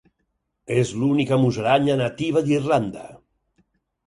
És l'única musaranya nativa d'Irlanda.